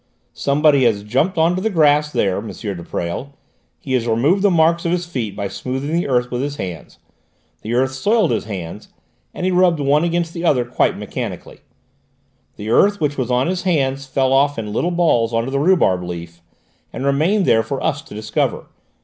Somebody has jumped on to the grass there, M. de Presles; he has removed the marks of his feet by smoothing the earth with his hands; the earth soiled his hands, and he rubbed one against the other quite mechanically; the earth which was on his hands fell off in little balls on to the rhubarb leaf, and remained there for us to discover.